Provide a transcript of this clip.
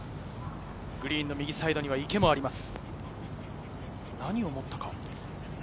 グリーンの右サイドには池もあります。